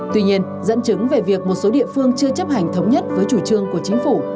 tuy nhiên dẫn chứng về việc một số địa phương chưa chấp hành thống nhất với chủ trương của chính phủ